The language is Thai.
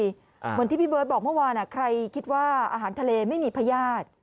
เหมือนที่พี่เบิร์ตบอกเมื่อวานใครคิดว่าอาหารทะเลไม่มีพญาติ